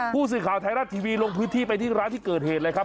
ผู้สื่อข่าวไทยรัฐทีวีลงพื้นที่ไปที่ร้านที่เกิดเหตุเลยครับ